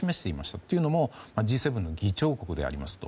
というのもＧ７の議長国でありますと。